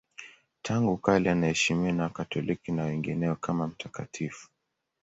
Tangu kale anaheshimiwa na Wakatoliki na wengineo kama mtakatifu.